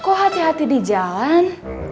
kok hati hati di jalan